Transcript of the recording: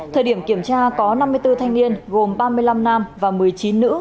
thời điểm kiểm tra có năm mươi bốn thanh niên gồm ba mươi năm nam và một mươi chín nữ